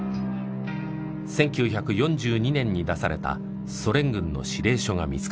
１９４２年に出されたソ連軍の指令書が見つかった。